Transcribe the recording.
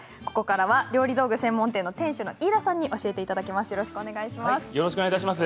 料理道具専門店店主の飯田さんに教えていただきます。